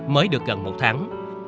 mới được gần một tháng